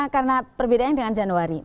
karena perbedaannya dengan januari